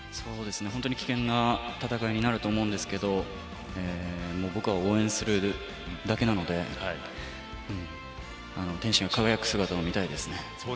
本当に危険な戦いになると思うんですけど僕は応援するだけなので天心が輝く姿を見たいですね。